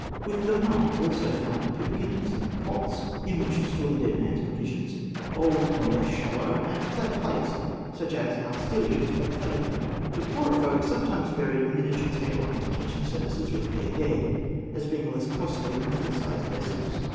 With them are also found pipkins and pots, in which to store the dead man's provisions; bowls more or less shallow; and flat plates, such as are still used by the fellahin. The poorer folk sometimes buried miniature table and kitchen services with their dead, as being less costly than full sized vessels.